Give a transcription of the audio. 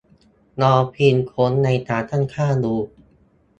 ลองพิมพ์ค้นในการตั้งค่าดู